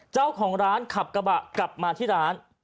เจ้าของร้านขับกระบะกลับมาที่ร้าน